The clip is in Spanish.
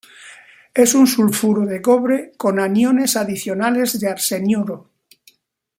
Es un sulfuro de cobre con aniones adicionales de arseniuro.